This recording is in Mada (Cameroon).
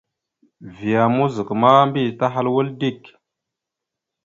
Vya mouzak ma mbiyez tahal wal dik.